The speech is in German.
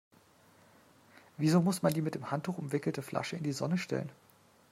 Wieso muss man die mit dem Handtuch umwickelte Flasche in die Sonne stellen?